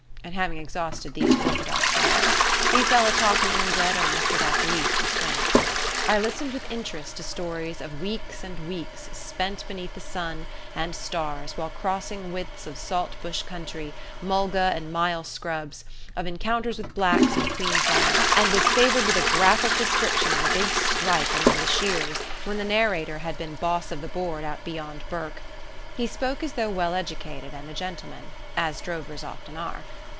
And having exhausted these orthodox remarks, we fell a talking in dead earnest without the least restraint. I listened with interest to stories of weeks and weeks spent beneath the sun and stars while crossing widths of saltbush country, mulga and myall scrubs, of encounters with blacks in Queensland, and was favoured with a graphic description of a big strike among the shearers when the narrator had been boss of the board out beyond Bourke. He spoke as though well educated, and a gentleman as drovers often are.